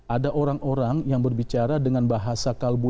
ada orang orang yang berbicara dengan bahasa kalbu